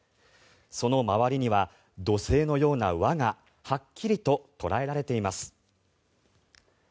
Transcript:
その周りには土星のような輪がはっきりと捉えられています。